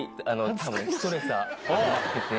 多分ストレスはたまってて。